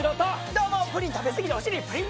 どうもプリン食べ過ぎてお尻プリンプリン。